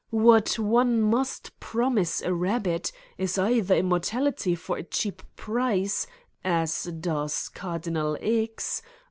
What one must promise a rabbit is either immortality for a cheap price, as does Cardinal X.